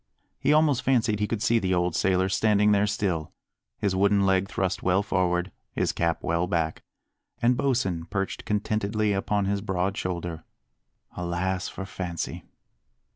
He almost fancied he could see the old sailor standing there still, his wooden leg thrust well forward, his cap well back, and Bosin perched contentedly upon his broad shoulder. Alas for fancy!